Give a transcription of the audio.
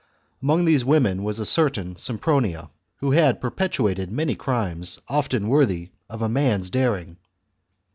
Among these women was a certain Sempronia, who chap, had perpetrated many crimes, often worthy of a man's daring.